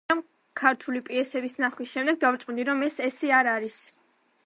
მაგრამ ქართული პიესების ნახვის შემდეგ დავრწმუნდი, რომ ეს ასე არ არის.